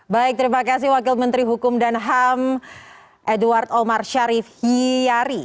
baik terima kasih wakil menteri hukum dan ham edward omar sharif hiyari